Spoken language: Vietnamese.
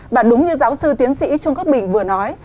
và đúng như giáo sư tiến sĩ trung quốc bình vừa nói